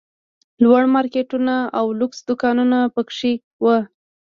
لوړ مارکېټونه او لوکس دوکانونه پکښې وو.